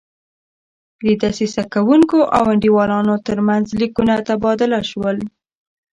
د دسیسه کوونکو او انډیوالانو ترمنځ لیکونه تبادله شول.